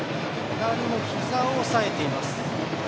左のひざを押さえています。